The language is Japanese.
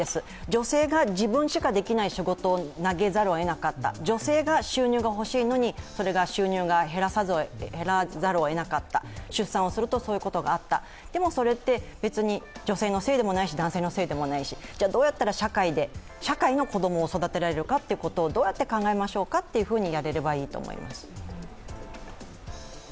女性が自分しかできない仕事を投げざるをえなかった、女性が収入がほしいのにそれが収入が減らざるをえなかった出産をするとそういうことがあった、でもそれって、別に女性のせいでもないし男性のせいでもないし。どうやったら社会で社会の子供を育てられるかというのをどうやって考えましょうかとやれればいいと思います。